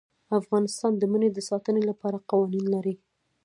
افغانستان د منی د ساتنې لپاره قوانین لري.